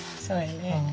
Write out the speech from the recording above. そうよね。